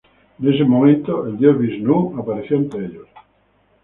En ese momento, el dios Visnú apareció ante ellos.